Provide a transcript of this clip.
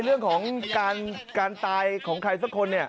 เรื่องของการตายของใครสักคน